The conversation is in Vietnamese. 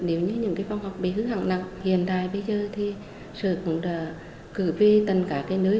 nếu như những phòng học bị hư hỏng nặng hiện đại bây giờ thì sợ cũng là cử vi tần cả cái nơi